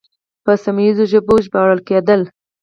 په سیمه ییزو ژبو ژباړل کېدل